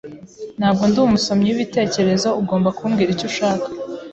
Ntabwo ndi umusomyi wibitekerezo. Ugomba kumbwira icyo ushaka.